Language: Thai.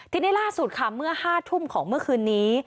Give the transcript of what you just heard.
ทีนี้ล่าสุดค่ะเมื่อ๕ทุ่มของเมื่อคืนนี้